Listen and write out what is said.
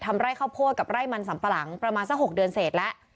ไร่ข้าวโพดกับไร่มันสัมปะหลังประมาณสัก๖เดือนเสร็จแล้ว